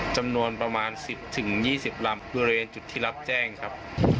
จำนวนประมาณสิบถึงยี่สิบลำด้วยเรียนจุดที่รับแจ้งครับ